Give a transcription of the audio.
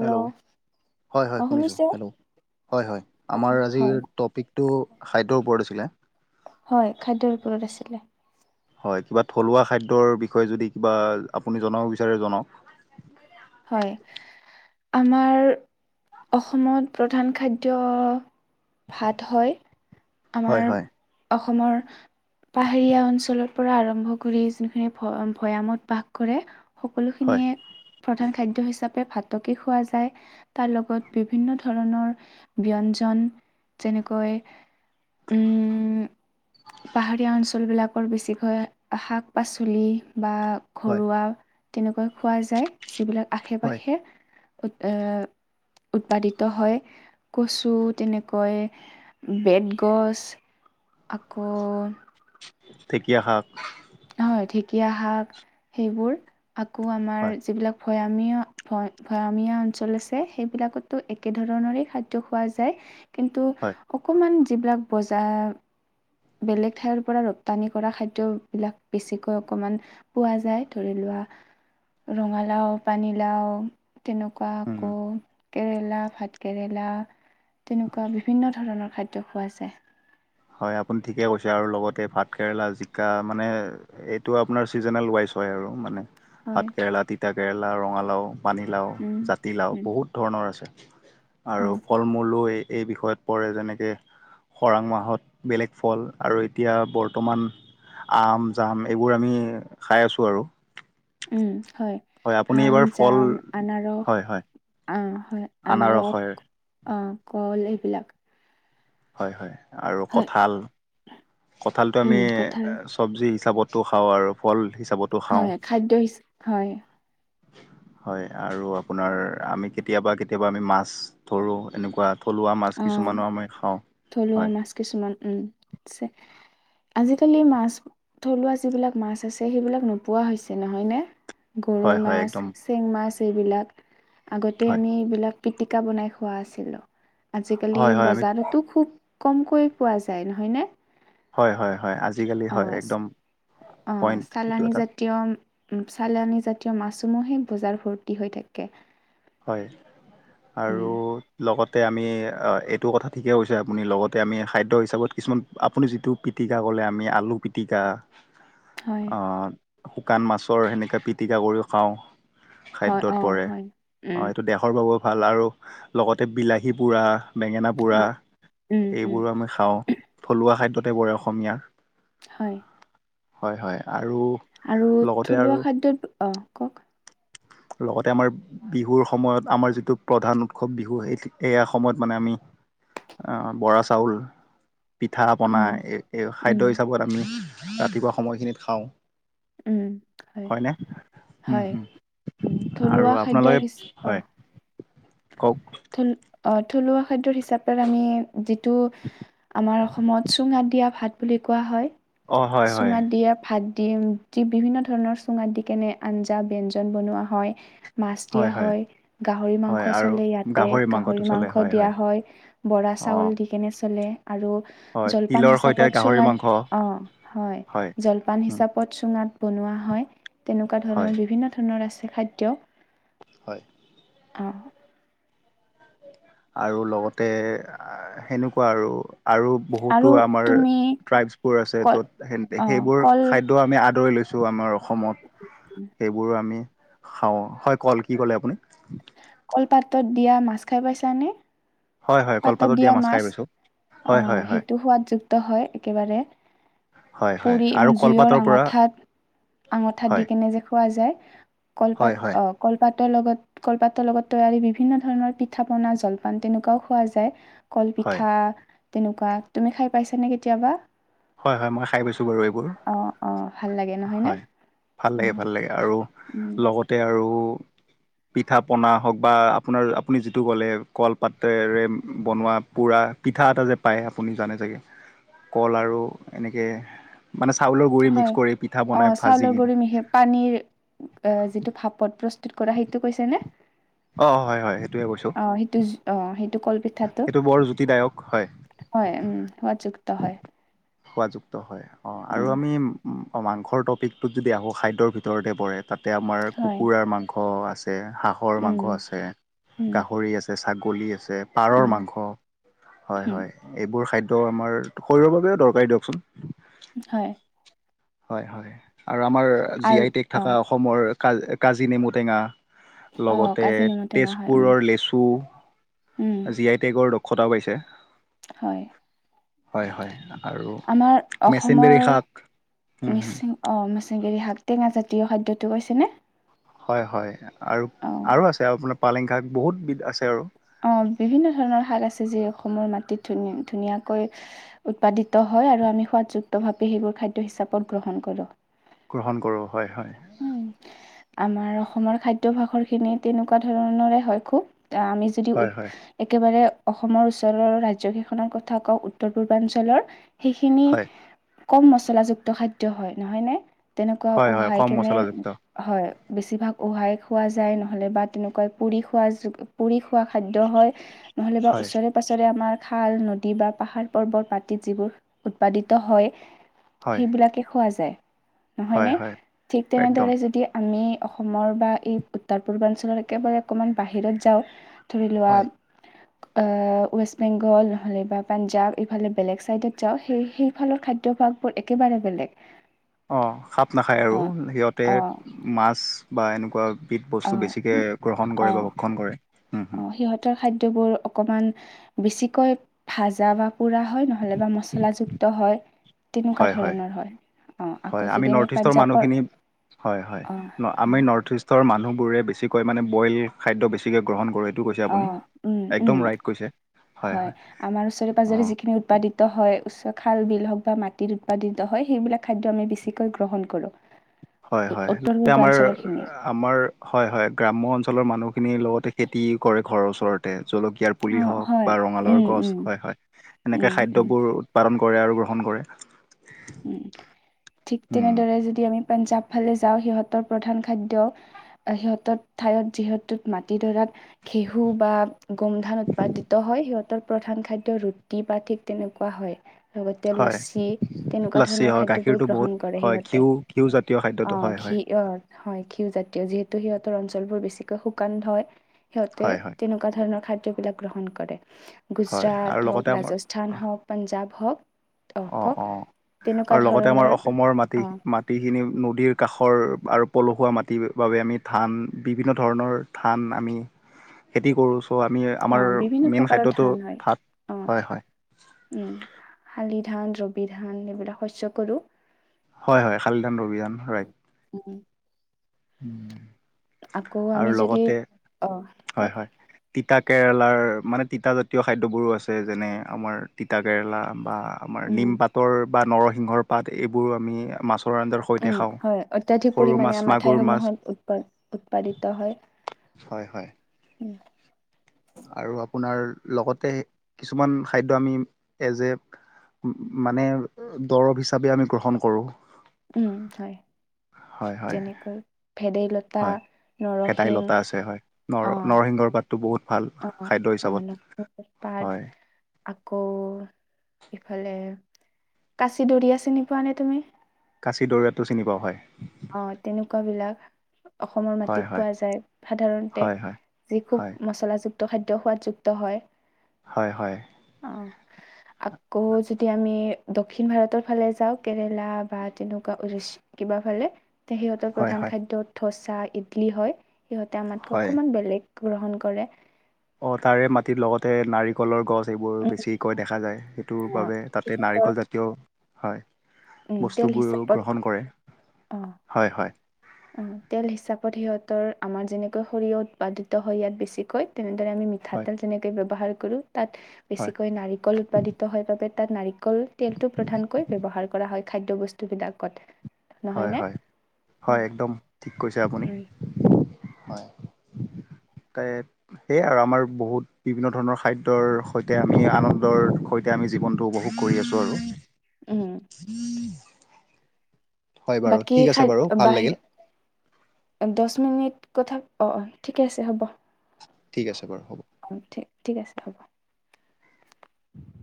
Hello হয় হয় অ শুনিছোঁ শুনিছে হেল্ল' হয় হয় আমাৰ হয় আজিৰ টপিক টো খাদ্যৰ ওপৰত আছিলে। হয় খাদ্যৰ ওপৰত আছিলে। হয়, কিবা থলুৱা খাদ্যৰ বিষয়ে যদি কিবা আপুনি জনাব বিচাৰে জনাওক। হয়, আমাৰ অসমত প্ৰধান খাদ্য ভাত হয়। হয় আমাৰ হয় অসমৰ পাহাৰীয়া অঞ্চলৰ পৰা আৰম্ভ কৰি জনে ভৈয়ামত বাস কৰে, হয় সকলোখিনিয়ে প্ৰধান খাদ্য হিচাপে ভাতকেই খোৱা যায়। তাৰ লগত বিভিন্ন ধৰণৰ ব্যঞ্জন যেনেকৈ উম [unintelligible] পাহাৰীয়া অঞ্চলবিলাকৰ বেছিকৈ শাক- পাচলি, বা হয় ঘৰুৱা তেনেকৈ খোৱা যায় যিবিলাক হয় আশে-পাশে, আহ, উৎপাদিত হয় কচু তেনেকৈ বেতগছ আকৌ, ঢেকীয়া শাক। হয়, ঢেকীয়া শাক সেইবোৰ আকৌ আমাৰ হয় যিবিলাক ভৈয়ামিয় ভ -ভৈয়ামীয়া অঞ্চল আছে সেইবিলাকতো একে ধৰণৰে খাদ্য খোৱা যায়। কিন্তু হয় অকণমান যিবিলাক বজাৰ বেলেগ ঠাইৰ পৰা ৰপ্তানি কৰা খাদ্যবিলাক বেছিকৈ অকণমান পোৱা যায় ধৰি লোৱা ৰঙালাও পানীলাও, তেনেকুৱা, উম, আকৌ কেৰেলা ভাত কেৰেলা তেনেকুৱা বিভিন্ন ধৰণৰ খাদ্য খোৱা যায়। হয়, আপুনি ঠিকে কৈছে আৰু লগতে ভাত কেৰেলা জিকা মানে এইটো আপোনাৰ চিজনেল ৱাইজ হয় আৰু। মানে, ভাত হয় কেৰেলা, তিতা কেৰেলা, ৰঙালাও পানীলাও, উম জাতিলাও উম বহুত ধণৰ আছে। আৰু উম কল [inaudible] এই বিষয়ত পৰে যেনেকৈ খৰাং মাহত বেলেগ ফল আৰু এতিয়া বৰ্তমান আম, জাম, এইবোৰ আমি খাই আছোঁ আৰু। উম, হয়, আপুনি আম এইবাৰ ফল জাম আনাৰস হয় হয় অ', হয়, আনাৰস অ, কল এইবিলাক। হয়, হয়, আৰু হয় কঁঠাল। কঁঠালটো আমি উম কঁঠাল চব্জি হিচাপতো খাওঁ আৰু ফল হিচাপত হয়, খাদ্য [inaudible] হয়। [inaudible] হয় আৰু আপোনাৰ, আমি কেতিয়াবা কেতিয়াবা আমি মাছ ধৰোঁ এনেকুৱা, থলুৱা মাছ অ কিছুমানো আমি খাওঁ। থলুৱা হয় মাছ কিছুমান উম, আছে। আজিকালি মাছ থলুৱা যিবিলাক মাছ আছে সেইবিলাক নোপোৱা হৈছে নহয়নে? হয় গৰৈ হয় মাছ, একদম চেং মাছ এইবিলাক আগতে হয় আমি এইবিলাক পিটিকা বনাই খোৱা আছিলোঁ। আজিকালি হয় হয় আমি বজাৰতো খুব কমকৈ পোৱা যায় নহয়নে। হয় হয় হয় আজিকালি হয় অ', একদম অ', পইণ্ট এইটো চালানী এটা। জাতীয় চালানী জাতীয় মাছসমূহে বজাৰ ভৰ্তি হৈ থাকে। হয়। আৰু, উম, লগতে আমি এইটো কথা ঠিকে কৈছে আপুনি লগতে আমি খাদ্য হিচাপত কিছুমান আপুনি যিটো পিটিকা ক'লে আমি আলু পিটিকা হয়, আহ, শুকান মাছৰ হেনেকে পিটিকা কৰিও খাওঁ। হয় অ', হয়। উম, অঁ', এইটো দেহৰ বাবেও ভাল আৰু লগতে বিলাহী পুৰা বেঙেনা পোৰা অ', উম, উম, এইবোৰো আমি খাওঁ থলুৱা খাদ্যতে পৰে অসমীয়া। হয়। হয় হয় আৰু আৰু লগতে থলুৱা আৰু খাদ্যত অ', কওক [unintelligible] লগতে আমাৰ বিহুৰ সময়ত আমাৰ যিটো প্ৰধান উৎসৱ বিহু সেই এয়া সময়ত মানে আমি বৰা চাউল পিঠা পনা উম, এই উম, খাদ্য হিচাপত আমি ৰাতিপুৱা সময়খিনিত খাওঁ। উম, হয়। হয়নে, উম, হয় হম উম আৰু থলুৱা খাদ্যৰ আপোনালোকে হিচ হয়। কওক। থ থলুৱা খাদ্যৰ হিচাপে আমি যিটো আমাৰ অসমত চুঙা দিয়া ভাত বুলি কোৱা হয় অ হয় হয় চুঙা দিয়া ভাত দিয়ে। বিভিন্ন ধৰণৰ চুঙাত দি কেনে আঞ্জা ব্যঞ্জন বনোৱা হয়। মাছ দিয়া হয়, গাহৰি হয় মাংস আৰু চলে ইয়াত। মাংসটো গাহৰি চলে মাংস দিয়া হয় বৰা অ চাউল দি কেনে চলে আৰু হয় জলপান তিলৰ সৈতে হিচাপত গাহৰি চুঙাত, মাংস অ', হয় জ পান উম হিচাপত চুঙাত বনোৱা হয় তেনেকুৱা হয় ধৰণৰ বিভিন্ন ধৰণৰ আছে খাদ্য। হয়। অ'। আৰু লগতে সেনেকুৱা আৰু আৰু আৰু বহুতো আমাৰ তুমি ট্ৰাইবছবোৰ আছে কল ত'ত সে অ সেইবোৰ কল খাদ্যও আমি আদৰি লৈছো আমাৰ অসমত সেইবোৰ আমি খাওঁ হয় কল কি ক'লে আপুনি? কলপাতত দিয়া মাছ খাই পাইছা নে? হয় হয় পাতত কলপাতত দিয়া খাই মাছ পাইছোঁ হয় অ', হয় হয় সেইটো সোৱাদযুক্ত হয় একেবাৰে। হয় হয় পুৰি আৰু জুইৰ কলপাতৰ পৰা আঙঠাত আঙঠাত দি হয় কেনে যে খোৱা যায় হয় কলপাত হয় অ' কলপাতৰ লগত কলপাতৰ লগত তৈয়াৰী বিভিন্ন ধৰণৰ পিঠা পনা জলপান তেনেকুৱাও খোৱা যায় হয় কলপিঠা তেনেকুৱা তুমি খাই পাইছা নে কেতিয়াবা? হয়, হয় মই খাই পাইছো বাৰু এইবোৰ। অ অ ভাল লাগে নহয়নে? হয় ভাল লাগে উম ভাল লাগে আৰু লগতে আৰু পিঠা পনা হওক বা আপোনাৰ আপুনি যিটো ক'লে কলপাতেৰে বনোৱা পোৰা পিঠা এটা যে পায় আপুনি জানে চাগে কল আৰু এনেকে মানে চাউলৰ [unintelligible] হয় পিঠা বনাই অ', ভাজি চাউলৰ কিনে গুড়ি মিহে পানীৰ এ যিটো ভাপত প্ৰস্তুত কৰা সেইটো কৈছে নে? অ', হয় হয় সেইটোয়ে কৈছো। অ', সেইটো অ', সেইটো কল পিঠাটো বৰ জুতিদায়ক হয় হয় উম, সোৱাদযুক্ত হয়। সোৱাদযুক্ত হয় অ', আৰু উম, আমি উ অ', মাংসৰ টপিকটোত যদি আহোঁ খাদ্যৰ ভিতৰতে পৰে তাতে আমাৰ হয়, কুকুৰাৰ মাংস আছে। এ, হাঁহৰ উম, মাংস আছে, উম, গাহৰি আছে, ছাগলী আছে, পাৰৰ উম, মাংস হয়, উম, হয় এইবোৰ খাদ্য আমাৰ শৰীৰৰ বাবেও দৰকাৰী দিয়কচোন। হয়। হয়, হয় আৰু আমাৰ জি আৰু আই টেগ অ', থাকা অসমৰ কাজ, কাজি নেমু টেঙা অ', লগতে কাজি নেমু টেঙা হয়, উম, তেজপুৰৰ লেচু উম। ডি আই টেগৰ দক্ষতাও পাইছে। হয়। হয় হয় আৰু আমাৰ অসমৰ মেচিনডেৰী শাক মিচিং অ, মেছেংগিৰি শাক টেঙা জাতীয় খাদ্যটো কৈছেনে। হয়, হয় আৰু, অ', আৰু আছে আৰু আপোনাৰ পালেং শাক বহুত বিধ আছে আৰু। অ, বিভিন্ন ধৰণৰ শাক আছে যি অসমৰ মাটিত ধুনী, ধুনীয়াকৈ উৎপাদিত হয় আৰু আমি সোৱাদযুক্তভাৱে সেইবোৰ খাদ্য হিচাপত গ্ৰহণ কৰোঁ। গ্ৰহণ কৰোঁ হয়, হয়। উম। আমাৰ অসমৰ খাদ্যভাসৰ খিনি তেনেকুৱা ধৰণৰে হয় খুব [unintelligible] আমি যদি হয় উৎ হয় একেবাৰে অসমৰ ওচৰৰ ৰাজ্য কেইখনৰ কথা কওঁ উত্তৰ পূৰ্বাঞ্চলৰ সেইখিনি হয় কম মচলাযুক্ত খাদ্য হয় নহয় নে তেনেকুৱা হয় হয় উহাই কম কেনে মছলাযুক্ত হয় বেছিভাগ উহাই খোৱা যায় নহলে বা তেনেকুৱা পুৰি খোৱা পুৰি খোৱা খাদ্য হয় নহ'লে বা হয় ওচৰে তাৰ পাছৰে আমাৰ খাল নদী বা পাহাৰ-পৰ্বত মাটিত যিবোৰ উৎপাদিত হয়। হয় সেইবিলাকে খোৱা যায় হয় নহয়নে হয় ঠিক একদম তেনেদৰে যদি আমি অসমৰ বা এই উত্তৰ পূৰ্বাঞ্চলৰ একেবাৰে অকমান বাহিৰত যাওঁ। ধৰি লোৱা। [unintelligible] ৱেষ্ট বেংগল নহ'লেবা পাঞ্জাৱ এইফালে বেলেগ চাইডত যাওঁ সেই, সেই সেইফালৰ খাদ্যভাগ একেবাৰে বেলেগ অ, খাপ নাখায় আৰু অঁ সিহঁতে অঁ মাছ বা এনেকুৱা [unintelligible] বস্তু অঁ বেছিকে গ্ৰহণ কৰে অঁ বা ভক্ষণ কৰে। অঁ সিহঁতৰ খাদ্যবোৰ অকমান বেছিকৈ ভাজা বা পোৰা হয় নহ'লে বা মচলাযুক্ত হয় তেনেকুৱা ধৰণৰ হয়। অঁ আকৌ হয় আমি যদি নৰ্থ ইষ্টৰ পাঞ্জাৱৰ মানুহখিনি হয়, হয় অঁ আমি নৰ্থ ইষ্ট ৰ, মানুহবোৰে বেছিকৈ মানে বইল খাদ্য বেছিকৈ গ্ৰহণ কৰে। অ, উম, উম হয় আমাৰ ওচৰে অঁ পাজৰে যিখিনি উৎপাদিত হয় উচ্চ খাল বিল হওক বা মাটিত উৎপাদিত হয় সেইবিলাক খাদ্য আমি বেছিকৈ গ্ৰহণ কৰো। হয়, হয় আমাৰ আমাৰ হয়, হয়, গ্ৰাম্য অঞ্চলৰ মানুহখিনিৰ লগতে খেতি কৰে ঘৰৰ ওচৰতেক কিয়াৰ পুলি অঁ হওক হয় বা উম ৰঙালৰ গছ উম হয়, হয়, এনেকৈ উম উম খাদ্যবোৰ পালন কৰে আৰু গ্ৰহণ কৰে। উ, ঠিক উম তেনেদৰে যদি আমি পাঞ্জাৱ ফালে যাওঁ সিহঁতৰ প্ৰধান খাদ্য। সিহঁতৰ ঠাইত যিহেতু মাটিডৰাত ঘেহু বা গোমধান উৎপাদিত হয় সিহঁতৰ প্ৰধান খাদ্য ৰুটি বা ঠিক তেনেকুৱা হয় লগতে হয় লছি এনেকুৱা লাচি ধৰণৰ হয় খাদ্যবোৰ গাখীৰটো বহুত গ্ৰহণ কৰে হয় সিহঁতে ঘিউ ঘিউজাতীয় অ, খাদ্যটো হয় হয় ঘি ই, হয় ঘিউজাতীয় যিহেতু সিহঁতৰ অঞ্চল বোৰ বেছিকৈ শুকান হয় সিহতে হয় হয় তেনেক এনেকুৱা ধৰণৰ খাদবিলাক গ্ৰহণ কৰে গুজ হয় আৰু হ লগতে আমাৰ ৰাজ অনু্থান হওক পঞ্জাৱ হওক অ, কওক তেনেকুৱা আৰু লগতে আমাৰ ধৰণৰ অসমৰ মাটি, অ মাট মাটিখিনি নদীৰ কাষৰ আৰু পলসুৱা মাটিৰ বাবে আমি ধান বিভিন্ন ধৰণৰ ধান আমি খেতি কৰোঁ চ' আমি অ আমাৰ বিভিন্ন মেইন প্ৰকাৰৰ খাদ্যটো ধান হয়। থাত অ হয়, হয়। শালি ধান ৰবি ধান এইবিলাক শস্য কৰোঁ হয় হয় শালিদান অভিযান ৰাইট উম উম আকৌ আমি যদি অ হয় কওক হয় তিতা কেৰেলাৰ মানে তিতাজাতীয় খাদ্যবোৰো আছে যেনে আমাৰ তিতা কেৰেলা বা আমাৰ উম। নিমপাতৰ বা নৰসিংহৰ পাত এইবোৰ আমি মাছৰ আঞজাৰ উম হয় অত্যাধিক পৰিমাণে আমাৰ মাছ ঠাইসমূহত উৎপ উৎপাদিত হয় হয় হয় উ আৰু আপোনাৰ লগতে কিছুমান খাদ্য আমি এজ এ মানে দৰৱ হিচাপে আমি গ্ৰহণ কৰোঁ উম হয় হয় হয় তেনেকৈ ভেদাইলত হয় ভেদাইলতা আছে হয় নৰ অ', নৰসিংহৰ পাত টো বহুত ভাল অ', খাদ্য অ', হিচাপত নৰসিংহ পাত হয় আকৌ ইফালে কাচি দৰিয়া চিনি পোৱা নে তুমি কাঁচি দৰিয়টো চিনি পোৱাওঁ হয় অ তেনেকুৱা বিলাক অসমৰ হয় মাটিত হয় পোৱা যায় সাধাৰণতে হয় হয় যি খুব হয় মচলাযু খাদ্য সোৱাদযুক্ত হয় হয় হয় অ আকৌ যদি আমি দক্ষিণ ভাৰতৰ ফালে যাওঁ কেৰেলা বা তেনেকুৱা উৰিষ্য কিবা ফালে তে সিহঁতৰ হয় প্ৰধান হয় খাদ্য থচা ইডলি হয় সিহঁতে আমাতকৈ হয়। অকণমান বেলেগ গ্ৰহণ কৰে অ তাৰে মাটিত লগতে নাৰিকলৰ গছ সেইবোৰ বেছিকৈ দেখা যায় সেইটোৰ উম, বাবে তাতে অ' নাৰিকল জাতীয় হয় উম তেল বস্তুবোৰ হিচাপত গ্ৰহণ কৰে অ হয় হয় তেল হিচাপত সিহঁতৰ আমাৰ যেনেকৈ সৰিয়হ উৎপাদিত হয় ইয়াত বেছিকৈ তেনেদৰে আমি হয় মিঠাতেল তেনেকৈ ব্যৱহাৰ কৰোঁ তাত হয় বেছিকৈ নাৰিকল উৎপাদিত হয় তাত নাৰিকল তেলটো প্ৰধানকৈ ব্যয়ৱহাৰ কৰা হয় খাদ্য় বস্তু বিলাকত হয় হয় হয় একদম ঠিক কৈছে আপুনি উম হয় ত সেয়ে আৰু আমাৰ বহুত বিভিন্ন ধৰণৰ খাদ্যৰ সৈতে আমি আনন্দৰ সৈতে এতিয়া আমি জীৱনটো উপভোগ কৰি আছোঁ আৰু উম উম বাকী বাৰু খাদ্য ভাল লাগিল বাহিৰ দহ মিনিট কথা অ অ ঠিকে আছে হ'ব ঠিকছে বাৰু হ'ব অ ঠিক ঠিক আছে হ'ব উ